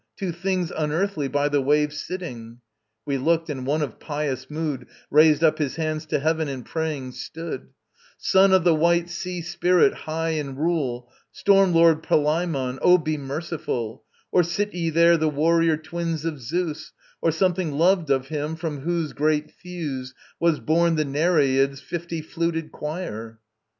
Two things unearthly by the wave Sitting!" We looked, and one of pious mood Raised up his hands to heaven and praying stood: "Son of the white Sea Spirit, high in rule, Storm lord Palaemon, Oh, be merciful: Or sit ye there the warrior twins of Zeus, Or something loved of Him, from whose great thews Was born the Nereids' fifty fluted choir."